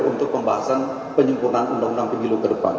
untuk pembahasan penyempurnaan undang undang pemilu ke depan